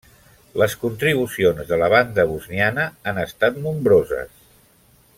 Les contribucions de la banda bosniana han estat nombroses.